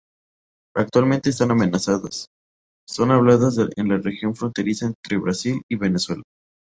Actualmente están amenazadas, son habladas en la región fronteriza entre Brasil y Venezuela.